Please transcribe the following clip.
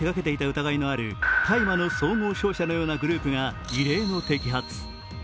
疑いのある大麻の総合商社のようなグループが異例の摘発。